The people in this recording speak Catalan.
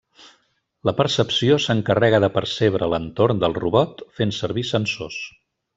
La percepció s'encarrega de percebre l'entorn del robot fent servir sensors.